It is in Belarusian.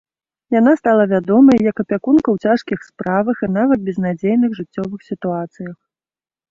Яна стала вядомай як апякунка ў цяжкіх справах і нават безнадзейных жыццёвых сітуацыях.